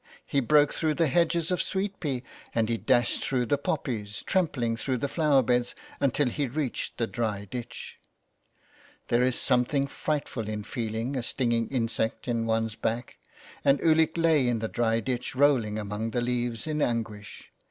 He broke through the hedges of sweet pea, and he dashed through the poppies, trampling through the flower beds, until he reached the dry ditch. There is something frightful in feeling a stinging insect in one's back, and Ulick lay in the dry ditch, rolling among the leaves in anguish.